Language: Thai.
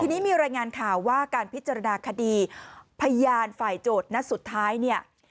ทีนี้มีรายงานข่าวว่าการพิจารณาคดีพยานฝ่ายโจทย์นัดสุดท้ายเนี่ย